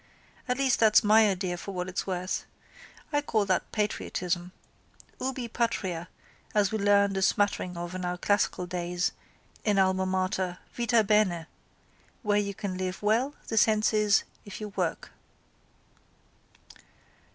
At least that's my idea for what it's worth. I call that patriotism. Ubi patria, as we learned a smattering of in our classical days in Alma Mater, vita bene. Where you can live well, the sense is, if you work.